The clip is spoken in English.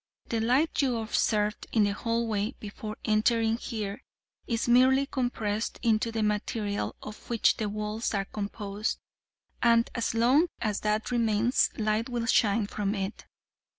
The light you observed in the hallway before entering here is merely compressed into the material of which the walls are composed and as long as that remains light will shine from it.